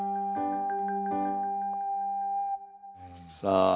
さあ